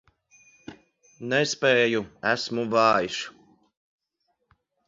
Nespēju, esmu vājš.